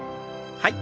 はい。